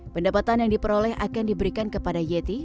pendapatan yang diperoleh akan diberikan kepada yeti